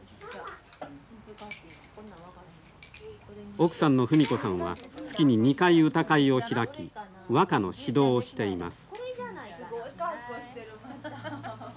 奥さんの布美子さんは月に２回歌会を開き和歌の指導をしています。